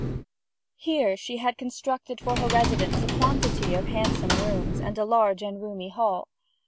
Here she had constructed for her residence a quantity of handsome rooms, and a large and roomy hall.